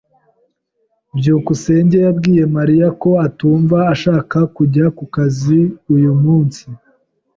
byukusenge yabwiye Mariya ko atumva ashaka kujya ku kazi uyu munsi.